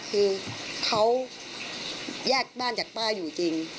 คือเขาแยกบ้านจากป้าอยู่จริง